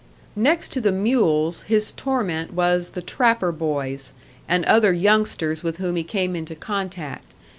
Next to the mules, his torment was the "trapper boys," and other youngsters with whom he came into contact.